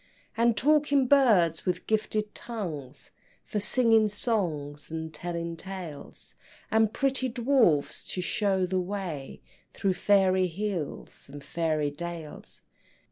And talking birds with gifted tongues, For singing songs and telling tales, And pretty dwarfs to show the way Through fairy hills and fairy dales.